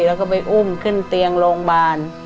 แล้วก็ไปอุ้มขึ้นเตียงโรงพยาบาล